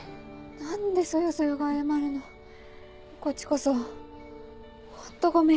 何でそよそよが謝るのこっちこそホントごめん。